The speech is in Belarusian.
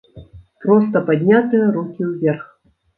Проста паднятыя рукі ўверх.